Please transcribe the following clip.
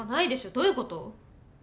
どういうこと？